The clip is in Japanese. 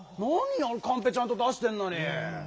なにカンペちゃんと出してんのに。